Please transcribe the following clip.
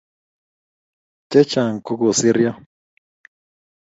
che chang ko kisiryo